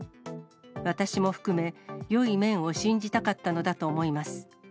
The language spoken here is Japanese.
私も含め、よい面を信じたかったのだと思います。